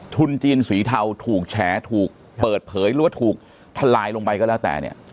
ทุนจีนสีเทาถูกแฉถูกเปิดเผยหรือว่าถูกทลายลงไปก็แล้วแต่เนี่ย